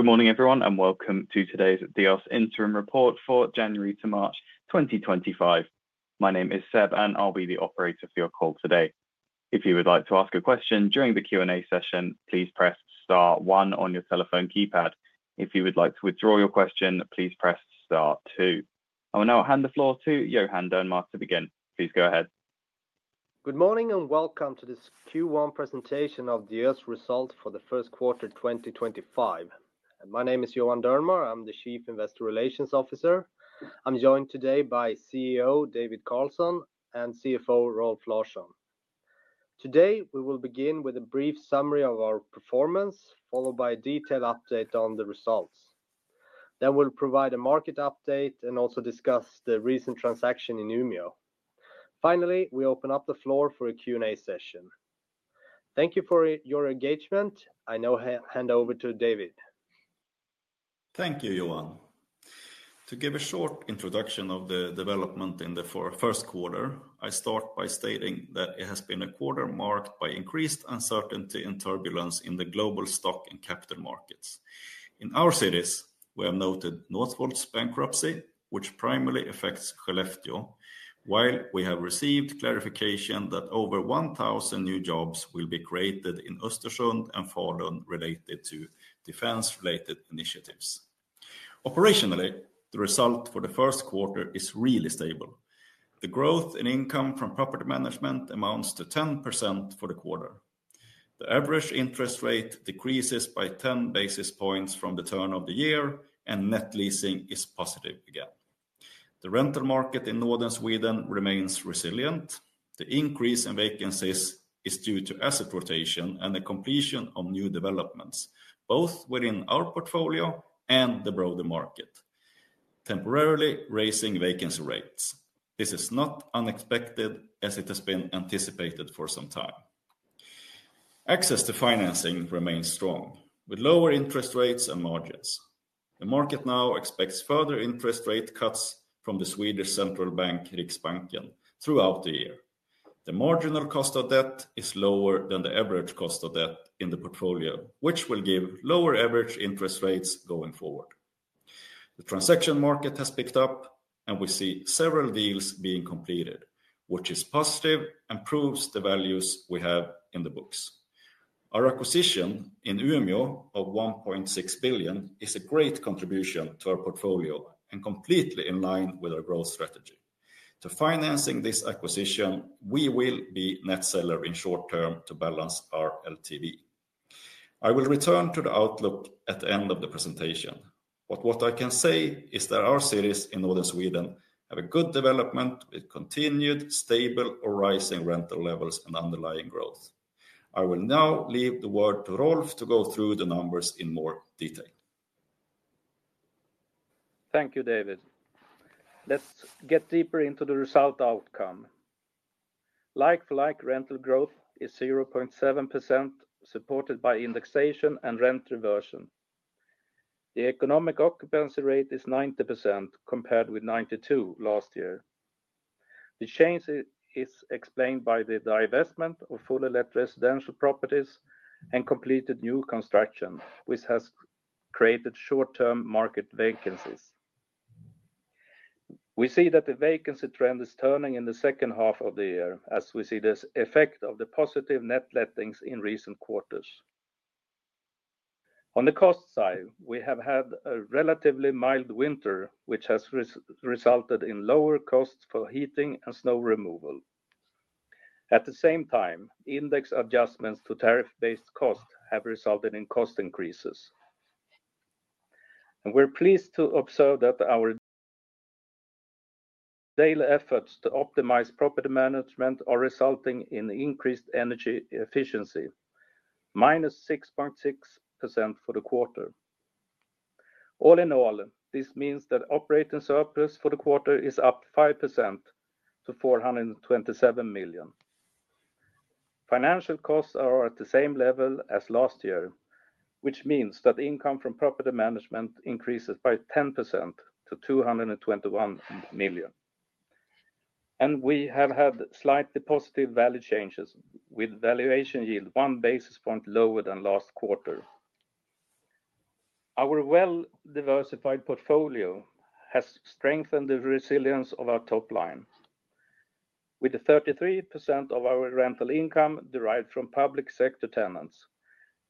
Good morning, everyone, and welcome to today's Diös Interim Report for January to March 2025. My name is Seb, and I'll be the operator for your call today. If you would like to ask a question during the Q&A session, please press star one on your telephone keypad. If you would like to withdraw your question, please press star two. I will now hand the floor to Johan Dernmar to begin. Please go ahead. Good morning and welcome to this Q1 presentation of Diös' results for the first quarter 2025. My name is Johan Dernmar. I'm the Chief Investor Relations Officer. I'm joined today by CEO, David Carlsson and CFO, Rolf Larsson. Today, we will begin with a brief summary of our performance, followed by a detailed update on the results. Then we will provide a market update and also discuss the recent transaction in Umeå. Finally, we open up the floor for a Q&A session. Thank you for your engagement. I now hand over to David. Thank you, Johan. To give a short introduction of the development in the first quarter, I start by stating that it has been a quarter marked by increased uncertainty and turbulence in the global stock and capital markets. In our cities, we have noted Northvolt's bankruptcy, which primarily affects Skellefteå, while we have received clarification that over 1,000 new jobs will be created in Östersund and Falun related to defense-related initiatives. Operationally, the result for the first quarter is really stable. The growth in income from property management amounts to 10% for the quarter. The average interest rate decreases by 10 basis points from the turn of the year, and net leasing is positive again. The rental market in northern Sweden remains resilient. The increase in vacancies is due to asset rotation and the completion of new developments, both within our portfolio and the broader market, temporarily raising vacancy rates. This is not unexpected, as it has been anticipated for some time. Access to financing remains strong, with lower interest rates and margins. The market now expects further interest rate cuts from Swedish Central Bank, Riksbanken throughout the year. The marginal cost of debt is lower than the average cost of debt in the portfolio, which will give lower average interest rates going forward. The transaction market has picked up, and we see several deals being completed, which is positive and proves the values we have in the books. Our acquisition in Umeå of 1.6 billion is a great contribution to our portfolio and completely in line with our growth strategy. To finance this acquisition, we will be net seller in short term to balance our LTV. I will return to the outlook at the end of the presentation, but what I can say is that our cities in northern Sweden have a good development with continued stable or rising rental levels and underlying growth. I will now leave the word to Rolf to go through the numbers in more detail. Thank you, David. Let's get deeper into the result outcome. Like-for-like rental growth is 0.7%, supported by indexation and rent reversion. The economic occupancy rate is 90%, compared with 92% last year. The change is explained by the divestment of fully let residential properties and completed new construction, which has created short-term market vacancies. We see that the vacancy trend is turning in the second half of the year, as we see the effect of the positive net lettings in recent quarters. On the cost side, we have had a relatively mild winter, which has resulted in lower costs for heating and snow removal. At the same time, index adjustments to tariff-based costs have resulted in cost increases. We are pleased to observe that our daily efforts to optimize property management are resulting in increased energy efficiency, minus 6.6% for the quarter. All in all, this means that operating surplus for the quarter is up 5% to 427 million. Financial costs are at the same level as last year, which means that income from property management increases by 10% to 221 million. We have had slightly positive value changes, with valuation yield one basis point lower than last quarter. Our well-diversified portfolio has strengthened the resilience of our top line. With 33% of our rental income derived from public sector tenants,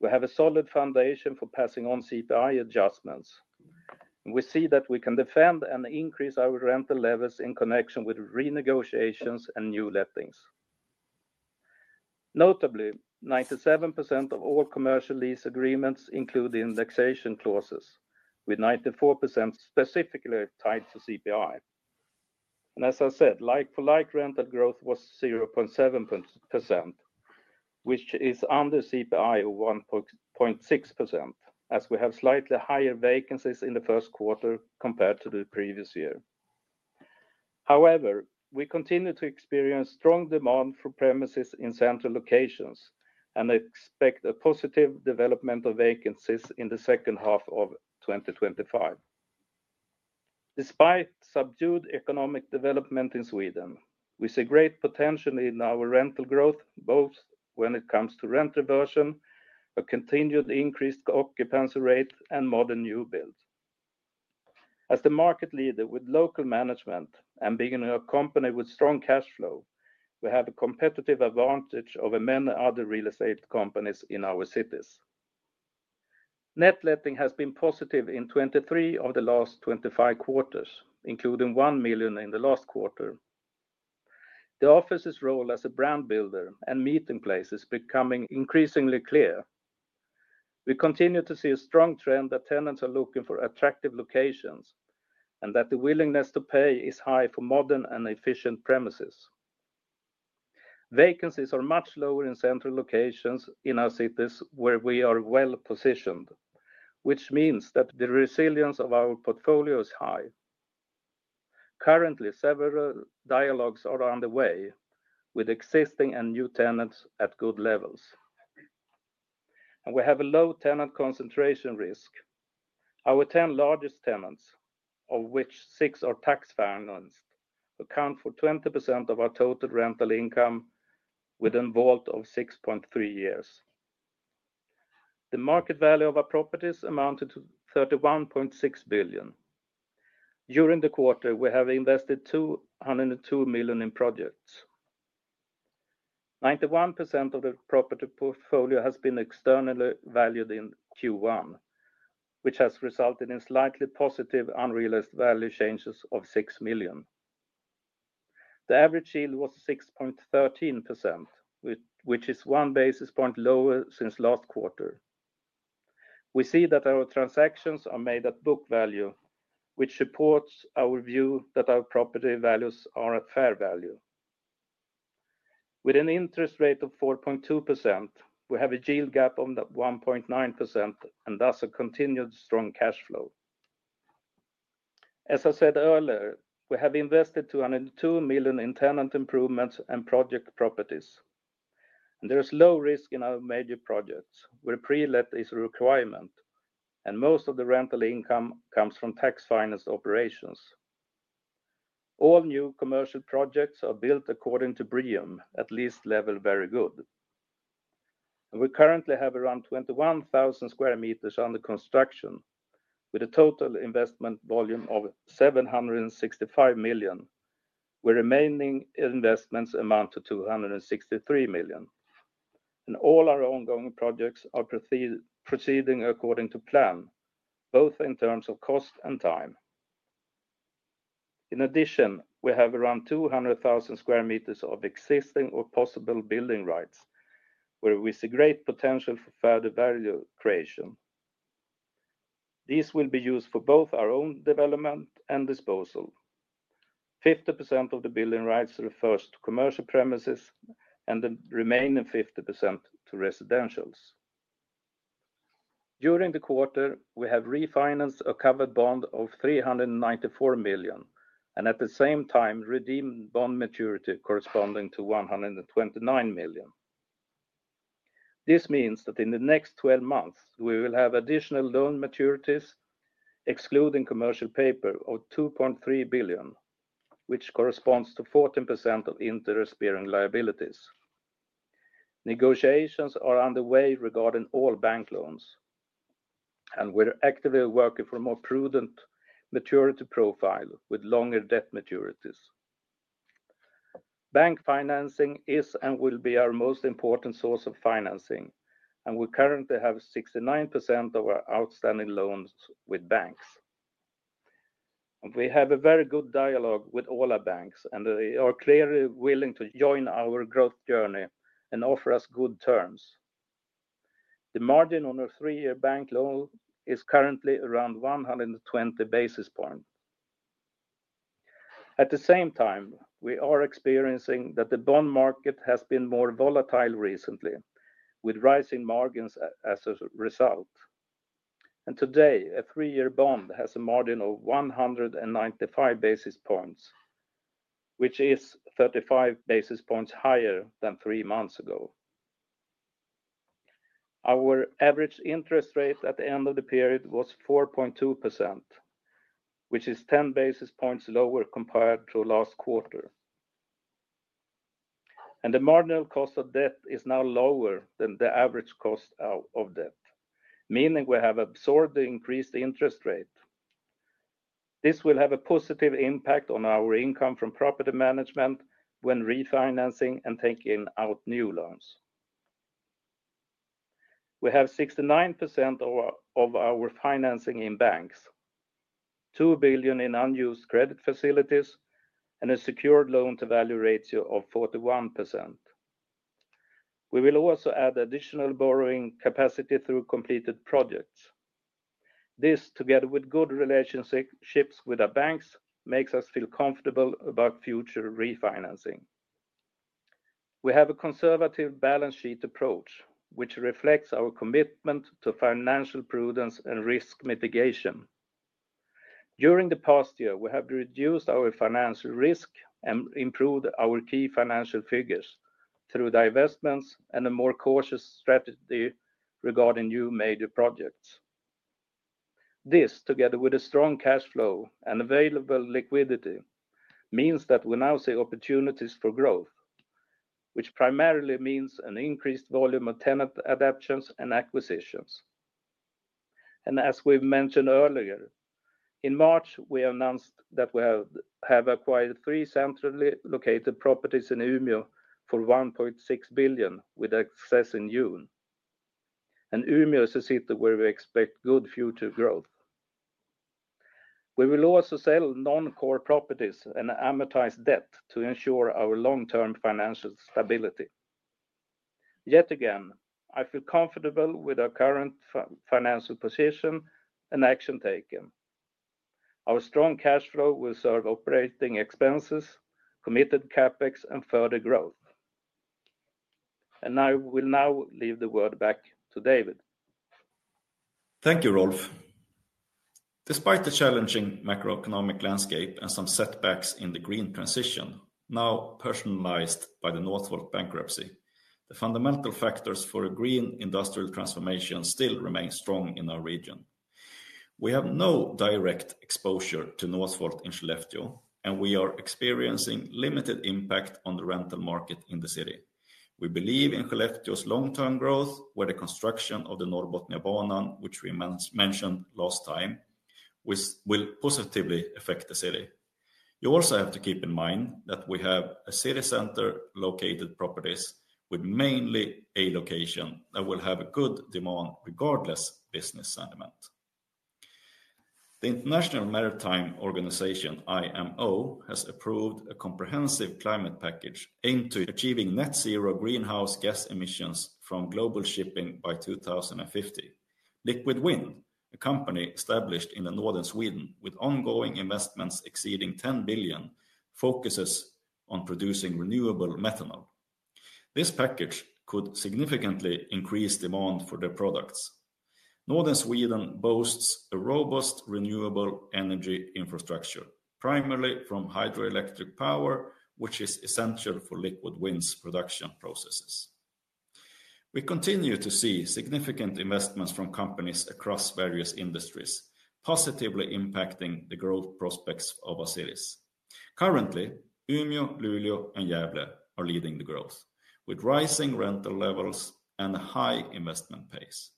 we have a solid foundation for passing on CPI adjustments. We see that we can defend and increase our rental levels in connection with renegotiations and new lettings. Notably, 97% of all commercial lease agreements include indexation clauses, with 94% specifically tied to CPI. As I said, like-for-like rental growth was 0.7%, which is under CPI of 1.6%, as we have slightly higher vacancies in the first quarter compared to the previous year. However, we continue to experience strong demand for premises in central locations and expect a positive development of vacancies in the second half of 2025. Despite subdued economic development in Sweden, we see great potential in our rental growth, both when it comes to rent reversion, a continued increased occupancy rate, and modern new builds. As the market leader with local management and being a company with strong cash flow, we have a competitive advantage over many other real estate companies in our cities. Net letting has been positive in 23 of the last 25 quarters, including 1 million in the last quarter. The office's role as a brand builder and meeting place is becoming increasingly clear. We continue to see a strong trend that tenants are looking for attractive locations and that the willingness to pay is high for modern and efficient premises. Vacancies are much lower in central locations in our cities where we are well positioned, which means that the resilience of our portfolio is high. Currently, several dialogues are underway with existing and new tenants at good levels. We have a low tenant concentration risk. Our 10 largest tenants, of which six are tax financed, account for 20% of our total rental income within a WAULT of 6.3 years. The market value of our properties amounted to 31.6 billion. During the quarter, we have invested 202 million in projects. 91% of the property portfolio has been externally valued in Q1, which has resulted in slightly positive unrealized value changes of 6 million. The average yield was 6.13%, which is one basis point lower since last quarter. We see that our transactions are made at book value, which supports our view that our property values are at fair value. With an interest rate of 4.2%, we have a yield gap of 1.9% and thus a continued strong cash flow. As I said earlier, we have invested 202 million in tenant improvements and project properties. There is low risk in our major projects, where pre-let is a requirement, and most of the rental income comes from tax finance operations. All new commercial projects are built according to BREEAM, at least level Very Good. We currently have around 21,000 sq m under construction, with a total investment volume of 765 million, with remaining investments amounting to 263 million. All our ongoing projects are proceeding according to plan, both in terms of cost and time. In addition, we have around 200,000 sq m of existing or possible building rights, where we see great potential for further value creation. These will be used for both our own development and disposal. 50% of the building rights refers to commercial premises, and the remaining 50% to residentials. During the quarter, we have refinanced a covered bond of 394 million, and at the same time, redeemed bond maturity corresponding to 129 million. This means that in the next 12 months, we will have additional loan maturities, excluding commercial paper of 2.3 billion, which corresponds to 14% of interest-bearing liabilities. Negotiations are underway regarding all bank loans, and we're actively working for a more prudent maturity profile with longer debt maturities. Bank financing is and will be our most important source of financing, and we currently have 69% of our outstanding loans with banks. We have a very good dialogue with all our banks, and they are clearly willing to join our growth journey and offer us good terms. The margin on our three-year bank loan is currently around 120 basis points. At the same time, we are experiencing that the bond market has been more volatile recently, with rising margins as a result. Today, a three-year bond has a margin of 195 basis points, which is 35 basis points higher than three months ago. Our average interest rate at the end of the period was 4.2%, which is 10 basis points lower compared to last quarter. The marginal cost of debt is now lower than the average cost of debt, meaning we have absorbed the increased interest rate. This will have a positive impact on our income from property management when refinancing and taking out new loans. We have 69% of our financing in banks, 2 billion in unused credit facilities, and a secured loan-to-value ratio of 41%. We will also add additional borrowing capacity through completed projects. This, together with good relationships with our banks, makes us feel comfortable about future refinancing. We have a conservative balance sheet approach, which reflects our commitment to financial prudence and risk mitigation. During the past year, we have reduced our financial risk and improved our key financial figures through divestments and a more cautious strategy regarding new major projects. This, together with a strong cash flow and available liquidity, means that we now see opportunities for growth, which primarily means an increased volume of tenant adaptions and acquisitions. As we have mentioned earlier, in March, we announced that we have acquired three centrally located properties in Umeå for 1.6 billion, with access in June. Umeå is a city where we expect good future growth. We will also sell non-core properties and amortize debt to ensure our long-term financial stability. Yet again, I feel comfortable with our current financial position and action taken. Our strong cash flow will serve operating expenses, committed CapEx, and further growth. I will now leave the word back to David. Thank you, Rolf. Despite the challenging macroeconomic landscape and some setbacks in the green transition, now personalized by the Northvolt bankruptcy, the fundamental factors for a green industrial transformation still remain strong in our region. We have no direct exposure to Northvolt in Skellefteå, and we are experiencing limited impact on the rental market in the city. We believe in Skellefteå's long-term growth, where the construction of the Norrbotniabanan, which we mentioned last time, will positively affect the city. You also have to keep in mind that we have city-center located properties with mainly a location that will have good demand regardless of business sentiment. The International Maritime Organization, IMO, has approved a comprehensive climate package aimed to achieving net-zero greenhouse gas emissions from global shipping by 2050. Liquid Wind, a company established in northern Sweden with ongoing investments exceeding 10 billion, focuses on producing renewable methanol. This package could significantly increase demand for their products. Northern Sweden boasts a robust renewable energy infrastructure, primarily from hydroelectric power, which is essential for Liquid Wind's production processes. We continue to see significant investments from companies across various industries, positively impacting the growth prospects of our cities. Currently, Umeå, Luleå, and Gävle are leading the growth, with rising rental levels and a high investment pace.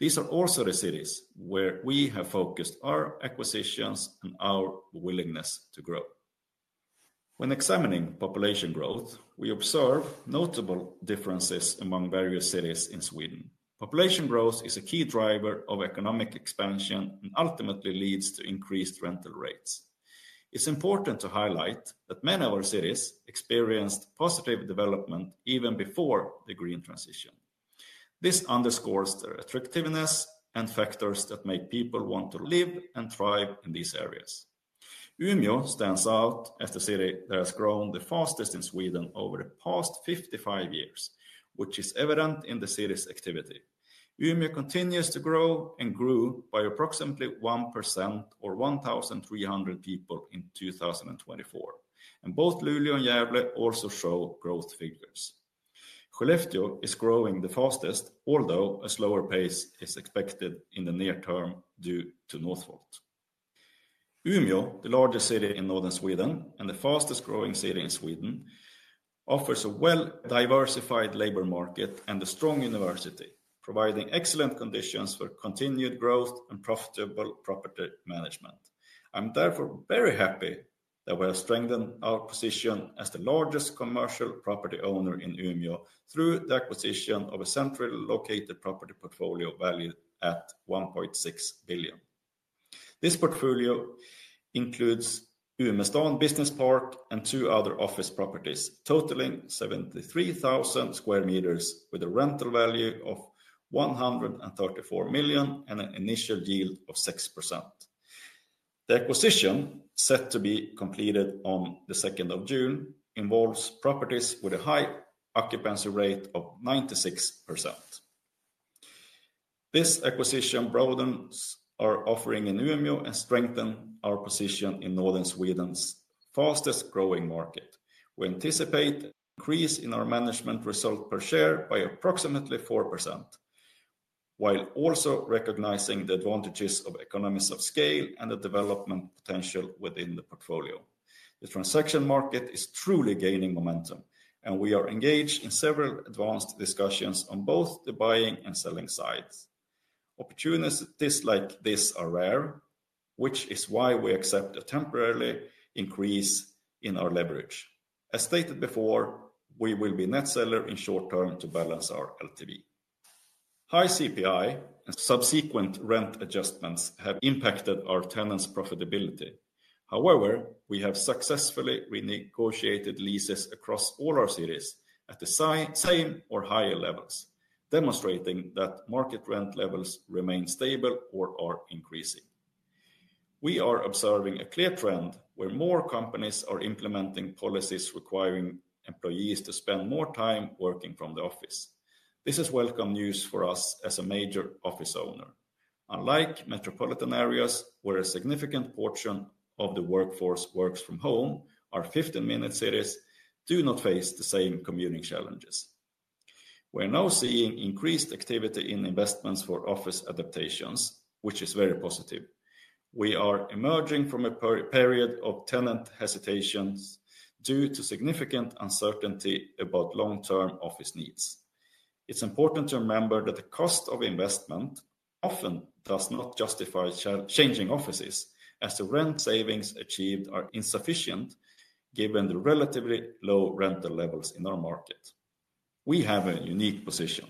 These are also the cities where we have focused our acquisitions and our willingness to grow. When examining population growth, we observe notable differences among various cities in Sweden. Population growth is a key driver of economic expansion and ultimately leads to increased rental rates. It's important to highlight that many of our cities experienced positive development even before the green transition. This underscores their attractiveness and factors that make people want to live and thrive in these areas. Umeå stands out as the city that has grown the fastest in Sweden over the past 55 years, which is evident in the city's activity. Umeå continues to grow and grew by approximately 1% or 1,300 people in 2024, and both Luleå and Gävle also show growth figures. Skellefteå is growing the fastest, although a slower pace is expected in the near term due to Northvolt. Umeå, the largest city in northern Sweden and the fastest-growing city in Sweden, offers a well-diversified labor market and a strong university, providing excellent conditions for continued growth and profitable property management. I'm therefore very happy that we have strengthened our position as the largest commercial property owner in Umeå through the acquisition of a centrally located property portfolio valued at 1.6 billion. This portfolio includes Umestan Business Park and two other office properties, totaling 73,000 sqm, with a rental value of 134 million and an initial yield of 6%. The acquisition, set to be completed on the 2nd of June, involves properties with a high occupancy rate of 96%. This acquisition broadens our offering in Umeå and strengthens our position in northern Sweden's fastest-growing market. We anticipate an increase in our management result per share by approximately 4%, while also recognizing the advantages of economies of scale and the development potential within the portfolio. The transaction market is truly gaining momentum, and we are engaged in several advanced discussions on both the buying and selling sides. Opportunities like this are rare, which is why we accept a temporary increase in our leverage. As stated before, we will be net seller in short term to balance our LTV. High CPI and subsequent rent adjustments have impacted our tenants' profitability. However, we have successfully renegotiated leases across all our cities at the same or higher levels, demonstrating that market rent levels remain stable or are increasing. We are observing a clear trend where more companies are implementing policies requiring employees to spend more time working from the office. This is welcome news for us as a major office owner. Unlike metropolitan areas, where a significant portion of the workforce works from home, our 15-minute cities do not face the same commuting challenges. We are now seeing increased activity in investments for office adaptations, which is very positive. We are emerging from a period of tenant hesitations due to significant uncertainty about long-term office needs. It's important to remember that the cost of investment often does not justify changing offices, as the rent savings achieved are insufficient given the relatively low rental levels in our market. We have a unique position.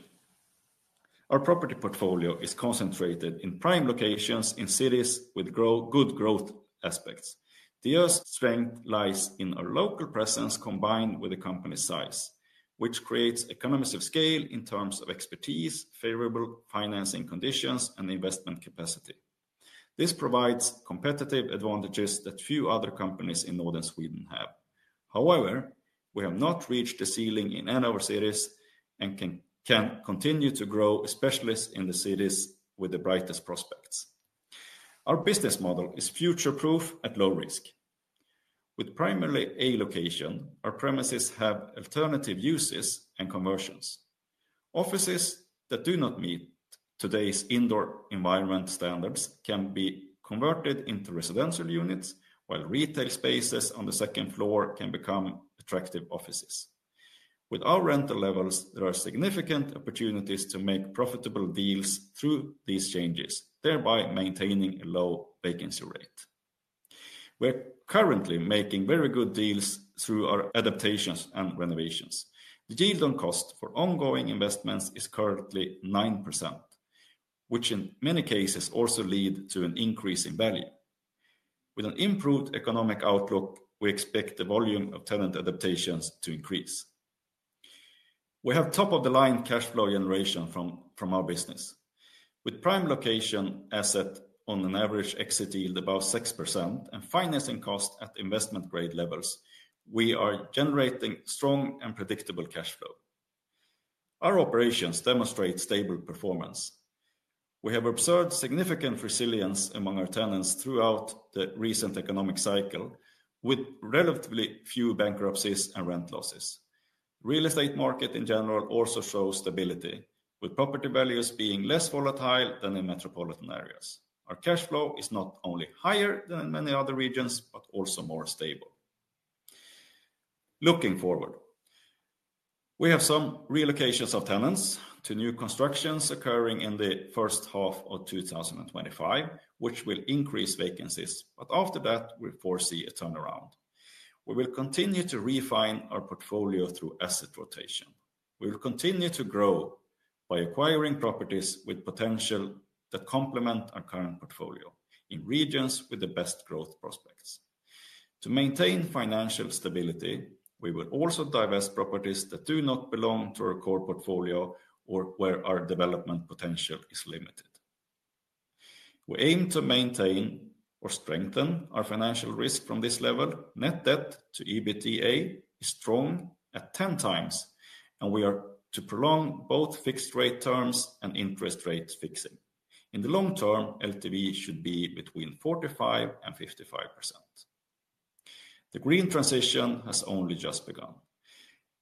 Our property portfolio is concentrated in prime locations in cities with good growth aspects. Diös' strength lies in our local presence combined with the company's size, which creates economies of scale in terms of expertise, favorable financing conditions, and investment capacity. This provides competitive advantages that few other companies in northern Sweden have. However, we have not reached the ceiling in any of our cities and can continue to grow, especially in the cities with the brightest prospects. Our business model is future-proof at low risk. With primarily A location, our premises have alternative uses and conversions. Offices that do not meet today's indoor environment standards can be converted into residential units, while retail spaces on the second floor can become attractive offices. With our rental levels, there are significant opportunities to make profitable deals through these changes, thereby maintaining a low vacancy rate. We're currently making very good deals through our adaptations and renovations. The yield on cost for ongoing investments is currently 9%, which in many cases also leads to an increase in value. With an improved economic outlook, we expect the volume of tenant adaptations to increase. We have top-of-the-line cash flow generation from our business. With prime location asset on an average exit yield above 6% and financing cost at investment-grade levels, we are generating strong and predictable cash flow. Our operations demonstrate stable performance. We have observed significant resilience among our tenants throughout the recent economic cycle, with relatively few bankruptcies and rent losses. The real estate market in general also shows stability, with property values being less volatile than in metropolitan areas. Our cash flow is not only higher than in many other regions, but also more stable. Looking forward, we have some relocations of tenants to new constructions occurring in the first half of 2025, which will increase vacancies, but after that, we foresee a turnaround. We will continue to refine our portfolio through asset rotation. We will continue to grow by acquiring properties with potential that complement our current portfolio in regions with the best growth prospects. To maintain financial stability, we will also divest properties that do not belong to our core portfolio or where our development potential is limited. We aim to maintain or strengthen our financial risk from this level. Net debt to EBITDA is strong at 10 times, and we are to prolong both fixed-rate terms and interest rate fixing. In the long term, LTV should be between 45% and 55%. The green transition has only just begun,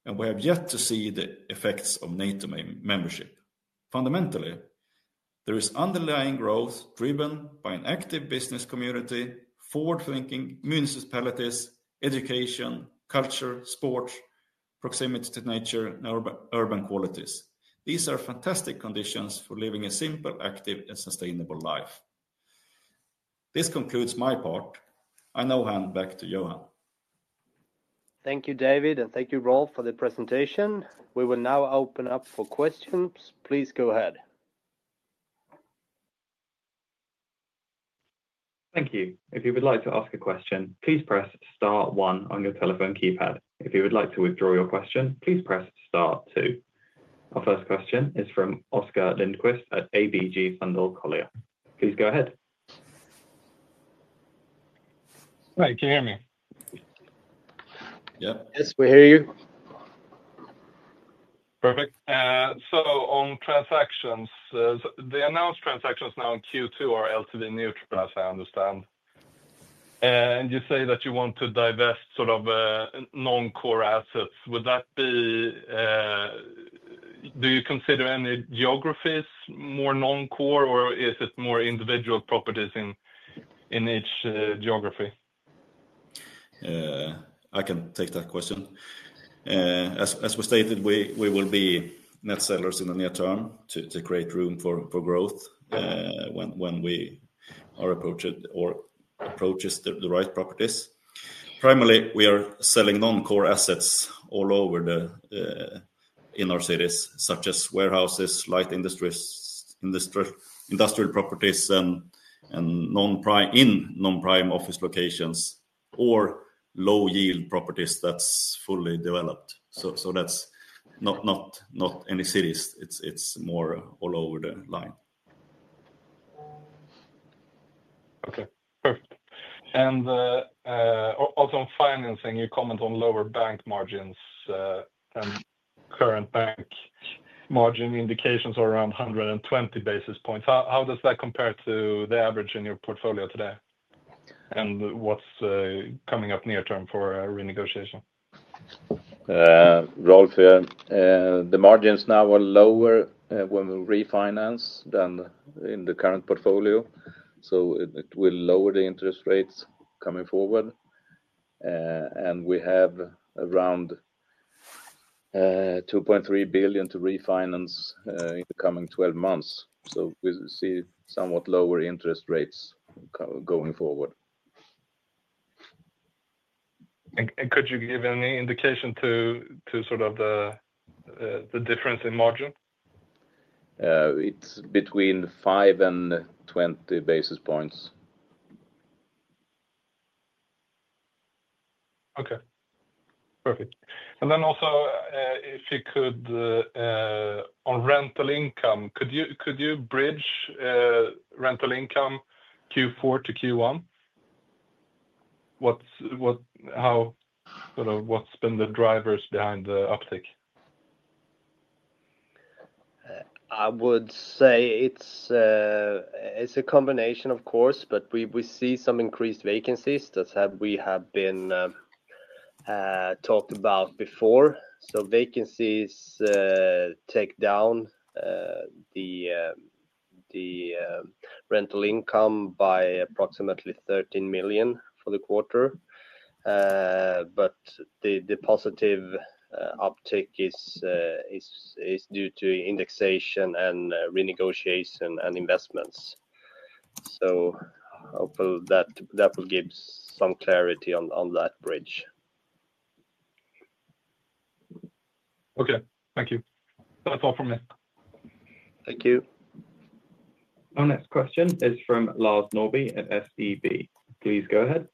and we have yet to see the effects of NATO membership. Fundamentally, there is underlying growth driven by an active business community, forward-thinking municipalities, education, culture, sports, proximity to nature, and urban qualities. These are fantastic conditions for living a simple, active, and sustainable life. This concludes my part. I now hand back to Johan. Thank you, David, and thank you, Rolf, for the presentation. We will now open up for questions. Please go ahead. Thank you. If you would like to ask a question, please press star one on your telephone keypad. If you would like to withdraw your question, please press star two. Our first question is from Oscar Lindquist at ABG Sundal Collier. Please go ahead. Hi, can you hear me? Yes, we hear you. Perfect. On transactions, the announced transactions now in Q2 are LTV-neutral, as I understand. You say that you want to divest sort of non-core assets. Would that be, do you consider any geographies more non-core, or is it more individual properties in each geography? I can take that question. As we stated, we will be net sellers in the near term to create room for growth when we are approached or approaches the right properties. Primarily, we are selling non-core assets all over in our cities, such as warehouses, light industrial properties, and in non-prime office locations, or low-yield properties that are fully developed. That is not any cities. It is more all over the line. Perfect. Also on financing, you comment on lower bank margins, and current bank margin indications are around 120 basis points. How does that compare to the average in your portfolio today? What is coming up near term for renegotiation? Rolf here. The margins now are lower when we refinance than in the current portfolio, so it will lower the interest rates coming forward. We have around 2.3 billion to refinance in the coming 12 months, so we see somewhat lower interest rates going forward. Could you give any indication to sort of the difference in margin? It's between 5 and 20 basis points. Okay, perfect. If you could, on rental income, could you bridge rental income Q4 to Q1? What's been the drivers behind the uptick? I would say it's a combination, of course, but we see some increased vacancies that we have been talked about before. Vacancies take down the rental income by approximately 13 million for the quarter, but the positive uptick is due to indexation and renegotiation and investments. Hopefully that will give some clarity on that bridge. Okay, thank you. That's all from me. Thank you. Our next question is from Lars Norrby at SEB. Please go ahead.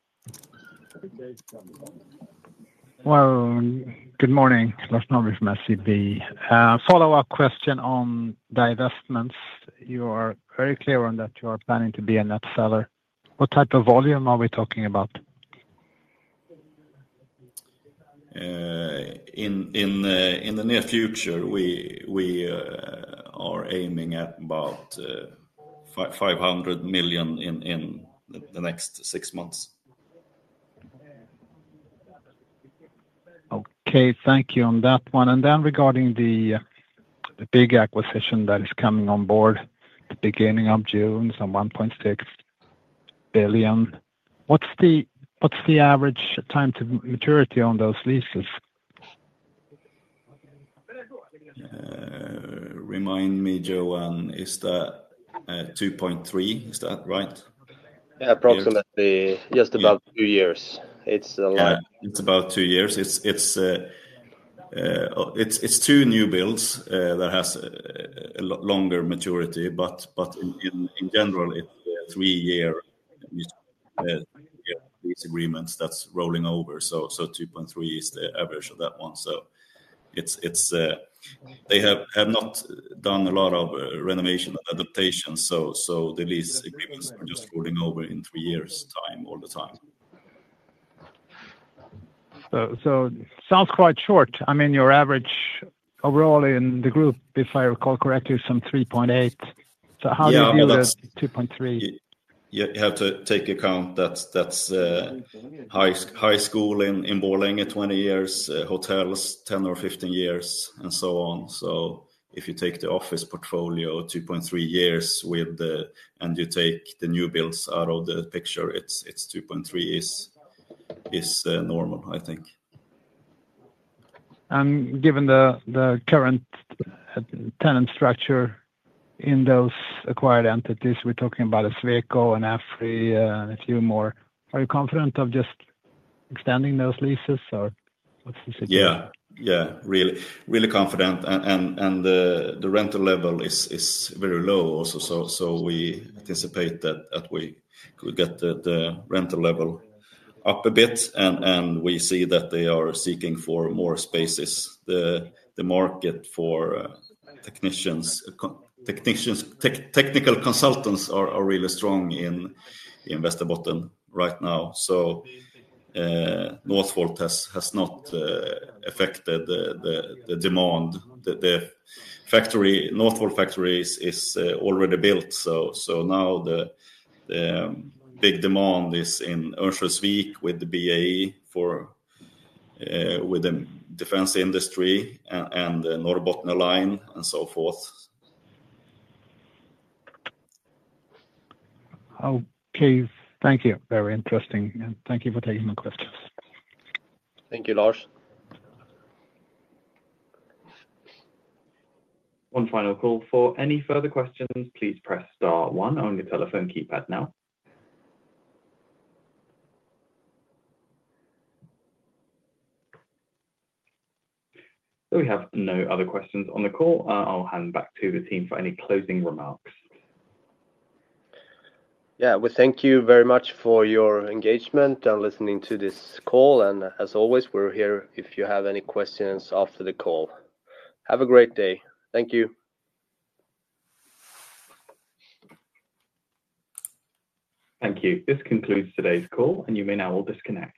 Good morning, Lars Norrby from SEB. Follow-up question on divestments. You are very clear on that you are planning to be a net seller. What type of volume are we talking about? In the near future, we are aiming at about 500 million in the next six months. Okay, thank you on that one. Regarding the big acquisition that is coming on board at the beginning of June, some 1.6 billion, what's the average time to maturity on those leases? Remind me, Johan, is that 2.3? Is that right? Yeah, approximately, just about two years. It's a lot. Yeah, it's about two years. It's two new builds that have a longer maturity, but in general, it's three-year lease agreements that's rolling over. 2.3 is the average of that one. They have not done a lot of renovation adaptations, so the lease agreements are just rolling over in three years' time all the time. It sounds quite short. I mean, your average overall in the group, if I recall correctly, is some 3.8. How do you deal with 2.3? You have to take into account that's high school in Borlänge 20 years, hotels 10 or 15 years, and so on. If you take the office portfolio 2.3 years and you take the new builds out of the picture, it's 2.3 is normal, I think. Given the current tenant structure in those acquired entities, we're talking about a Sweco and AFRY and a few more. Are you confident of just extending those leases, or what's the situation? Yeah, yeah, really confident. The rental level is very low also, so we anticipate that we could get the rental level up a bit, and we see that they are seeking for more spaces. The market for technicians, technical consultants, is really strong in Västerbotten right now. Northvolt has not affected the demand. The Northvolt factory is already built, so now the big demand is in Örnsköldsvik with BAE for the defense industry and the Norrbotten Line and so forth. Okay, thank you. Very interesting. Thank you for taking my questions. Thank you, Lars. One final call. For any further questions, please press star one on your telephone keypad now. We have no other questions on the call. I'll hand back to the team for any closing remarks. Yeah, we thank you very much for your engagement and listening to this call. As always, we're here if you have any questions after the call. Have a great day. Thank you. Thank you. This concludes today's call, and you may now all disconnect.